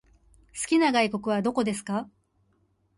好きな外国はどこですか？